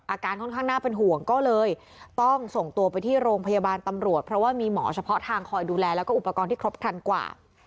อาการค่อนข้างน่าเป็นห่วงก็เลยต้องส่งตัวไปที่โรงพยาบาลตำรวจเพราะว่ามีหมอเฉพาะทางคอยดูแลแล้วก็อุปกรณ์ที่ครบครันกว่า